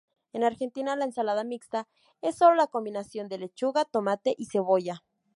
En Argentina, la ensalada mixta es solo la combinación de lechuga, tomate y cebolla.